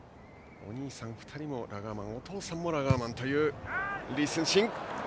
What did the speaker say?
お兄さん２人もラガーマン、お父さんもラガーマンという李承信。